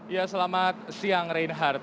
ya selamat siang reinhardt